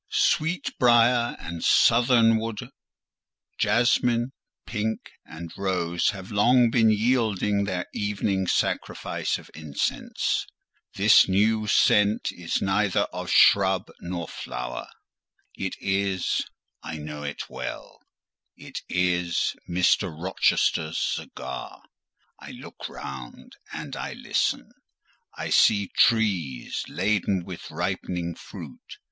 Sweet briar and southernwood, jasmine, pink, and rose have long been yielding their evening sacrifice of incense: this new scent is neither of shrub nor flower; it is—I know it well—it is Mr. Rochester's cigar. I look round and I listen. I see trees laden with ripening fruit.